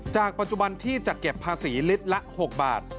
ปัจจุบันที่จัดเก็บภาษีลิตรละ๖บาท